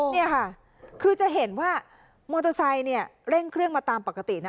นี่ค่ะคือจะเห็นว่ามอเตอร์ไซค์เนี่ยเร่งเครื่องมาตามปกตินะ